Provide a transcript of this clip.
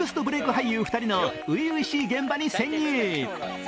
俳優２人の初々しい現場に潜入。